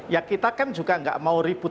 ya kita kan juga nggak mau ribut